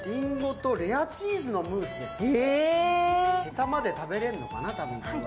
へたまで食べれるのかな、多分これは。